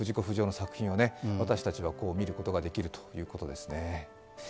不二雄の作品を私たちは見ることができるということですね。